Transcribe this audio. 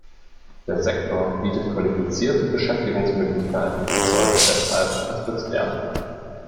Der Sektor bietet qualifizierte Beschäftigungsmöglichkeiten und sollte deshalb unterstützt werden.